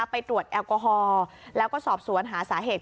ไปตรวจแอลกอฮอล์แล้วก็สอบสวนหาสาเหตุ